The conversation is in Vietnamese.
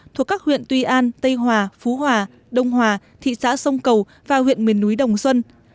thuộc các huyện tuy an tây hòa phú hòa đông hòa thị xã sông cầu và huyện miền núi đồng xuân